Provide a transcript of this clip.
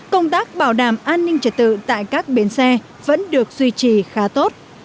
công tác bảo đảm an ninh trật tự tại các bến xe vẫn được duy trì khá tốt